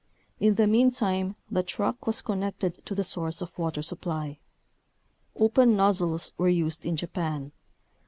In the meantime the truck was connected to the source of water supply. Open nozzles were used in Japan.